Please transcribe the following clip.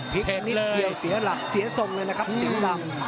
นิดเดียวเสียหลักเสียทรงเลยนะครับสิงห์ดำ